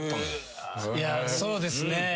いやそうですね。